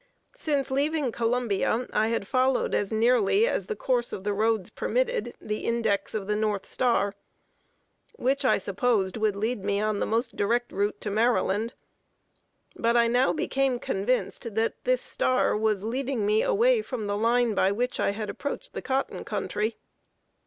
Since leaving Columbia, I had followed as nearly as the course of the roads permitted, the index of the north star; which, I supposed, would lead me on the most direct route to Maryland; but I now became convinced, that this star was leading me away from the line by which I had approached the cotton country.